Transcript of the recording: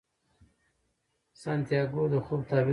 سانتیاګو د خوب تعبیر پسې ځي.